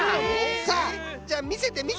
え⁉じゃあみせてみせて！